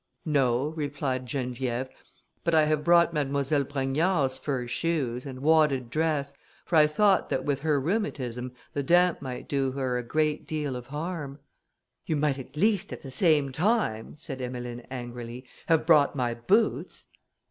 "No," replied Geneviève, "but I have brought Mademoiselle Brogniard's fur shoes, and wadded dress, for I thought that with her rheumatism the damp might do her a great deal of harm." "You might at least, at the same time," said Emmeline, angrily, "have brought my boots."